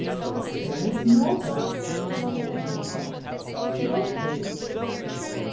"There is nobody," she said to herself, "nobody."